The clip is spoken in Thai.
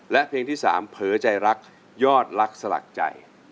และเพลงที่๓เผลอใจรักยอดรักสลักใจ